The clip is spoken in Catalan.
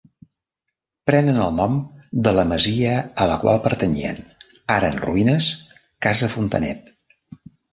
Prenen el nom de la masia a la qual pertanyien, ara en ruïnes, Casa Fontanet.